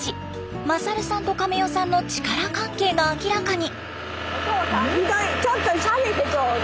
勝さんとカメ代さんの力関係が明らかに。